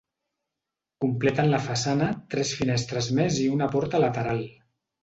Completen la façana tres finestres més i una porta lateral.